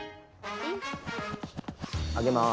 上げます。